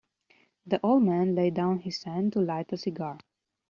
The old man laid down his hand to light a cigar.